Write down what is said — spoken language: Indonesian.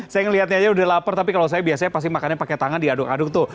saya ngeliatnya aja udah lapar tapi kalau saya biasanya pasti makannya pakai tangan diaduk aduk tuh